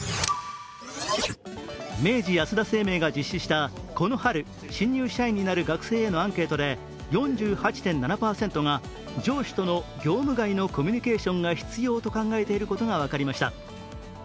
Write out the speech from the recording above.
明治安田生命が実施した、この春新入社員になる学生へのアンケートで４８．７％が、上司との業務外でのコミュニケーションが必要と考えていることが分かりました。